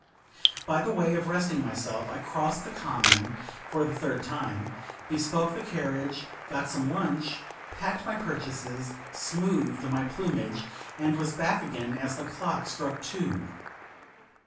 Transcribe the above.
By way of resting myself, I crossed the Common, for the third time, bespoke the carriage, got some lunch, packed my purchases, smoothed my plumage, and was back again, as the clock struck two.